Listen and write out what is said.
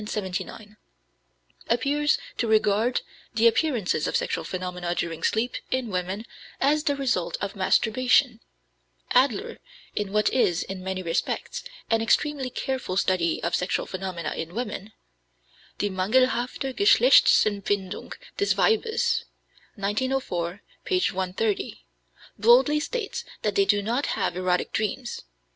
31, 79) appears to regard the appearances of sexual phenomena during sleep, in women, as the result of masturbation. Adler, in what is in many respects an extremely careful study of sexual phenomena in women (Die Mangelhafte Geschlechtsempfindung des Weibes, 1904, p. 130), boldly states that they do not have erotic dreams.